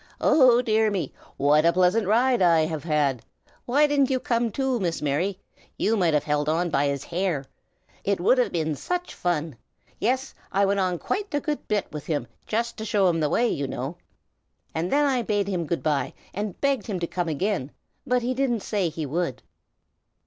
"Oh, dear me! what a pleasant ride I have had! Why didn't you come too, Miss Mary? You might have held on by his hair. It would have been such fun! Yes, I went on quite a good bit with him, just to show him the way, you know. And then I bade him good by, and begged him to come again; but he didn't say he would."